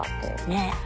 ねえ。